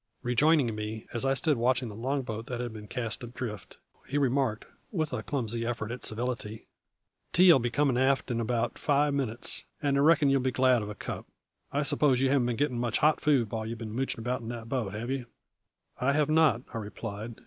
Rejoining me as I stood watching the long boat, that had been cast adrift, he remarked, with a clumsy effort at civility: "Tea'll be coming along aft in about five minutes, and I reckon you'll be glad of a cup. I s'pose you haven't been gettin' much hot food while you've been moochin' about in that boat, have ye?" "I have not," I replied.